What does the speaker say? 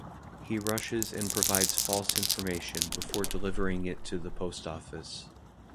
He rushes and provides false information before delivering it to the post office.